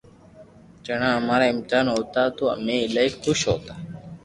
جڻا امارا امتحان ھوتا تو امي ايلائي خوݾ ھوتا